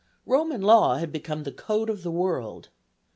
Roman law had become the code of the world.